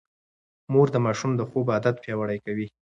مور د ماشوم د خوب عادت پياوړی کوي.